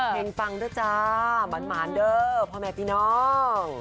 เพลงฟังด้วยจ้าหมานเด้อพ่อแม่พี่น้อง